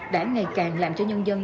đã ngày càng làm cho nhân dân